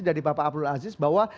dari bapak abdul aziz bahwa